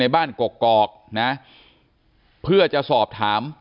บ้านกกอกนะเพื่อจะสอบถาม